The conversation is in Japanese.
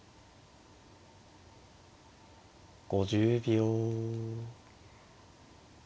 ５０秒。